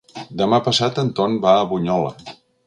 Demà passat en Ton va a Bunyola.